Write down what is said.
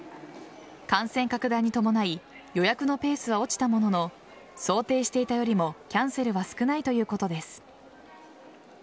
感染拡大に伴い予約のペースは落ちたものの想定していたよりもキャンセルは少ないということです。